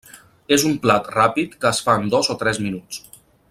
És un plat ràpid que es fa en dos o tres minuts.